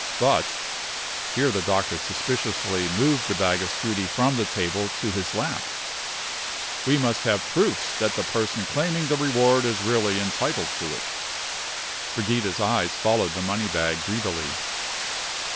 But" (here the doctor suspiciously moved the bag of scudi from the table to his lap) "we must have proofs that the person claiming the reward is really entitled to it." Brigida's eyes followed the money bag greedily.